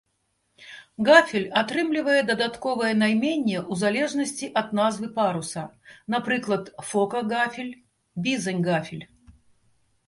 Гафель атрымлівае дадатковае найменне ў залежнасці ад назвы паруса, напрыклад, фока-гафель, бізань-гафель.